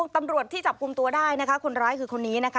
ตำรวจที่จับกลุ่มตัวได้นะคะคนร้ายคือคนนี้นะคะ